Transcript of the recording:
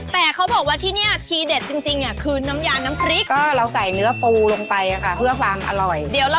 แต่เขาบอกว่าที่นี่ทีเด็ดจริงเนี่ย